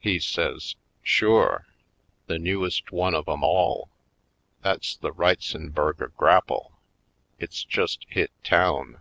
He says: "Sure — the newest one of 'em all. That's the Reitzenburger Grapple — it's just hit town."